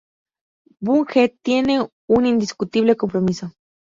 Bunge tiene un indiscutible compromiso.